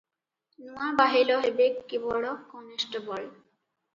ନୂଆ ବାହେଲ ହେବେ କେବଳ କନେଷ୍ଟବଳ ।